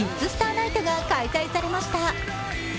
☆ＮＩＧＨＴが開催されました。